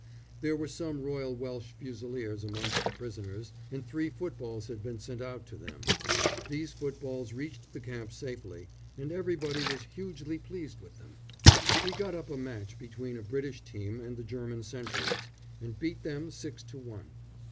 There were some Royal Welsh Fusiliers amongst the prisoners, and three footballs had been sent out to them. These footballs reached the camp safely, and everybody was hugely pleased with them. We got up a match between a British team and the German sentries, and beat them six to one.